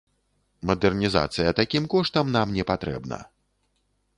Мадэрнізацыя такім коштам нам не патрэбна.